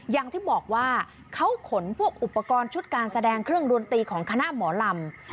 อย่างที่บอกว่าเขาขนพวกอุปกรณ์ชุดการแสดงเครื่องดนตรีของคณะหมอลำ